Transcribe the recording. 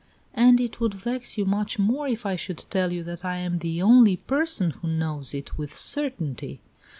"And it would vex you much more if I should tell you that I am the only person who knows it with certainty."